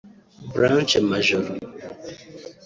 Blanche Majoro